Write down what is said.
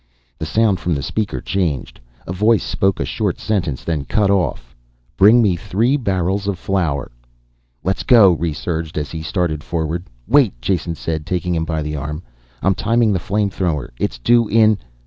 The sound from the speaker changed. A voice spoke a short sentence, then cut off. "Bring me three barrels of flour." "Let's go," Rhes urged as he started forward. "Wait," Jason said, taking him by the arm. "I'm timing the flame thrower. It's due in